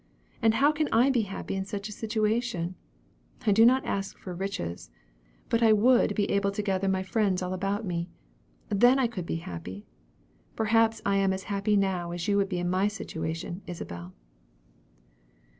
And how can I be happy in such a situation; I do not ask for riches; but I would be able to gather my friends all around me. Then I could be happy. Perhaps I am as happy now as you would be in my situation, Isabel."